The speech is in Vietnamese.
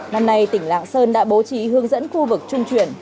năm nay tỉnh lạng sơn đã bố trí hướng dẫn khu vực trung chuyển